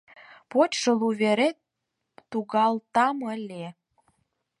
Почшо лу вере тугалтам ыле!..